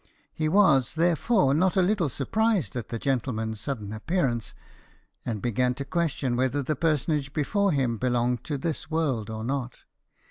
He was, therefore, not a little surprised at the gentleman's sudden appearance, and began to question whether the personage before him belonged to this world or not.